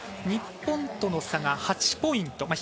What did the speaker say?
日本との差が８ポイント。